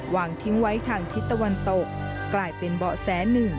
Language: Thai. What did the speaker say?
วางทิ้งไว้ทางทิศตะวันตกกลายเป็นเบาะแสหนึ่ง